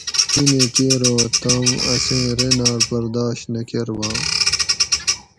ایں نے کیر اُوں تم اسیں رینار برداش نہ کۤرواں